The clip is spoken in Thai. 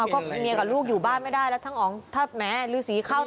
ก็เมียกับลูกอยู่บ้านไม่ได้แล้วช่างอ๋องถ้าแม้ฤษีเข้า